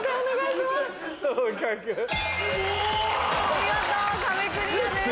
見事壁クリアです。